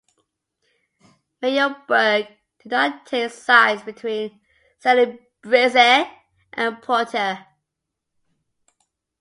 Mayor Burke did not take sides between Celebrezze and Porter.